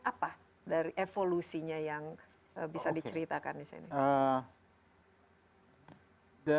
apa dari evolusinya yang bisa diceritakan di sini